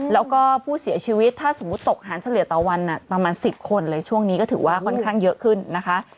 แล้วก็ผู้เสียชีวิตถ้าสมมุติตกหารเฉลี่ยต่อวันประมาณ๑๐คนเลยช่วงนี้ก็ถือว่าค่อนข้างเยอะขึ้นนะคะ